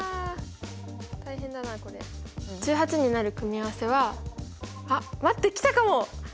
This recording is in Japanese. １８になる組み合わせはあっ待ってきたかも！